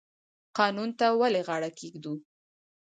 قانون ته ولې غاړه کیږدو؟